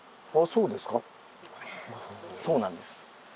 そうなんです。